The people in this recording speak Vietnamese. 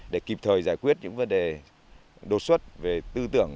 để kịp thời giải quyết những vấn đề đột xuất về tư tưởng